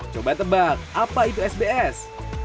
coba tebak apa itu sbs